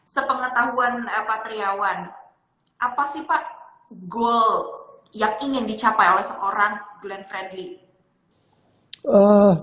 sepengetahuan pak triawan apa sih pak goal yang ingin dicapai oleh seorang glenn fredly